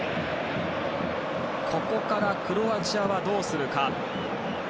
ここからクロアチアはどうするか。